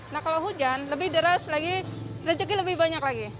nah kalau hujan lebih deras lagi rezeki lebih banyak lagi